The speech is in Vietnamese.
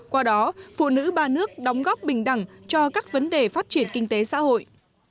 qua đó phụ nữ ba nước đóng góp bình đẳng cho các vấn đề phát triển kinh tế xã hội